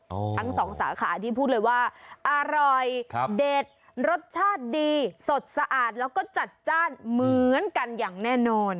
ทั้งสองสาขาที่พูดเลยว่าอร่อยครับเด็ดรสชาติดีสดสะอาดแล้วก็จัดจ้านเหมือนกันอย่างแน่นอน